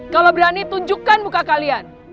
kalau berani tunjukkan muka kalian